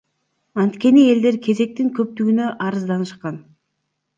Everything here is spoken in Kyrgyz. Анткени элдер кезектин көптүгүнө арызданышкан.